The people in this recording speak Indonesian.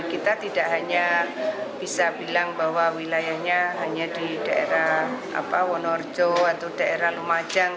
kita tidak hanya bisa bilang bahwa wilayahnya hanya di daerah wonorejo atau daerah lumajang